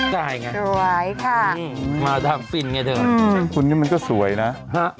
ได้ไงสวยค่ะมาทางฟิล์นไงเถอะอืมคุณนี่มันก็สวยนะฮะ